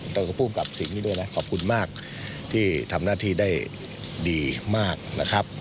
แล้วก็ภูมิกับสิ่งนี้ด้วยนะขอบคุณมากที่ทำหน้าที่ได้ดีมากนะครับ